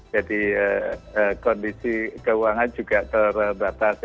jadi kondisi keuangan juga terbatas